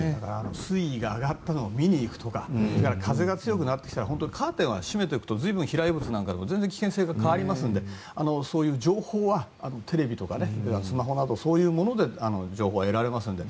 水位が上がったのを見に行くとか風が強くなってきたらカーテンは閉めておくと飛来物とかも全然危険性が変わりますからテレビやスマホなどそういうもので情報が得られますので。